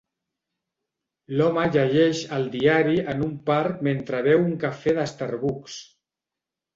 L'home llegeix el diari en un parc mentre beu un cafè de Starbuck's.